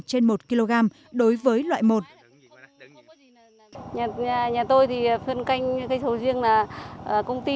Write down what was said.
trên một kg đối với loại một